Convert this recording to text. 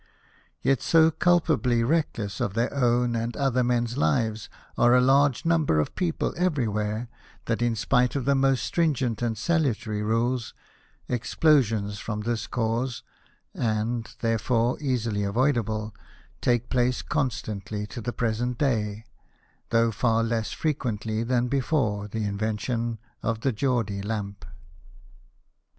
Yet so culpably GEORGE STEPHENSON, ENGINE MAN. 47 reckless of their own and other men's lives are a large number of people everywhere, that in spite of the most stringent and salutary rules, explosions from this cause (and, therefore, easily avoidable) take place constantly to the present day, though far less frequently than before the invention of the Geordie lamp.